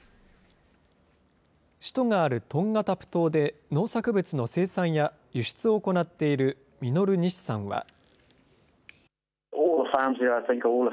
首都があるトンガタプ島で農作物の生産や輸出を行っているミノル・ニシさんは。